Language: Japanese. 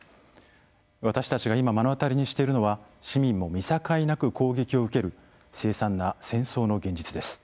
私たちが今目の当たりにしているのは市民も見境なく攻撃を受ける凄惨な戦争の現実です。